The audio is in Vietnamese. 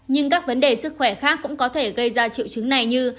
nhưng các vấn đề sức khỏe khác cũng có thể gây ra triệu chứng này như